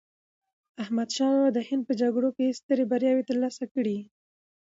احمد شاه بابا د هند په جګړو کې یې سترې بریاوې ترلاسه کړې.